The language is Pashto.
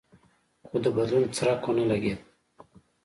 خو د بدلون څرک ونه لګېد.